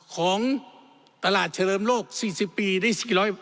ของตลาดเฉลิมโลก๔๐ปีได้๔๐๐